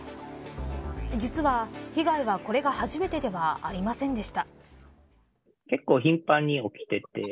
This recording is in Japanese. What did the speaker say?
実は、被害はこれが初めてではありませんでした。